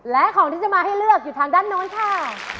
และของที่จะมาให้เลือกอยู่ทางด้านโน้นค่ะ